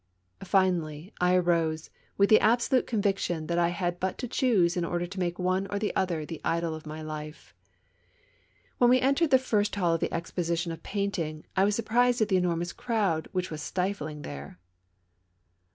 Finally, I arose, with the absolute conviction that I had but to choose in order to make one or the other the idol of my life. When we entered the first hall of the Exposition of Painting, I was surprised at the enormous crowd which was stifling there.